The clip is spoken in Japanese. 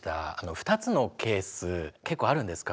２つのケース結構あるんですか？